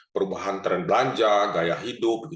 perubahan tren belanja gaya hidup